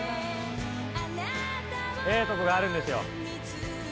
ええとこがあるんですよ。